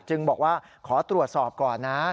บอกว่าขอตรวจสอบก่อนนะ